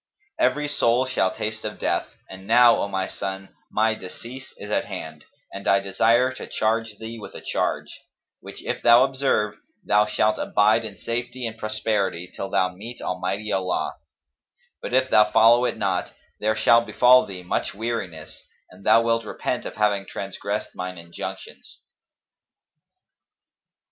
Every soul shall taste of death;[FN#258] and now, O my son, my decease is at hand and I desire to charge thee with a charge, which if thou observe, thou shalt abide in safety and prosperity, till thou meet Almighty Allah; but if thou follow it not, there shall befal thee much weariness and thou wilt repent of having transgressed mine injunctions."